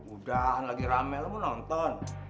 udah lagi rame lo mau nonton